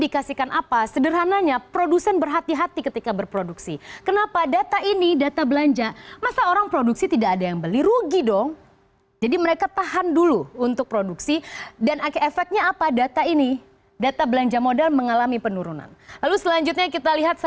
investasi kalau ada uang mereka pelit